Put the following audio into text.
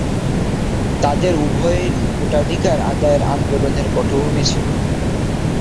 তাদের উভয়েরই ভোটাধিকার আদায়ের আন্দোলনের পটভূমি ছিল।